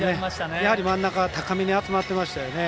やはり真ん中高めに集まってましたよね。